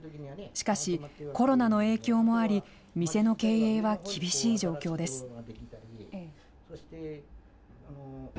しかし、コロナの影響もあり、店の経営は厳しい状況です。